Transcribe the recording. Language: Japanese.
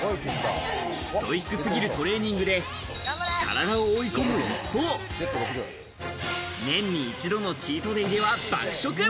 ストイック過ぎるトレーニングで体を追い込む一方、年に一度のチートデイでは爆食。